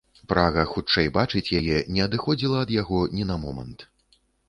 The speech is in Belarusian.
Прага хутчэй бачыць яе не адыходзіла ад яго ні на момант.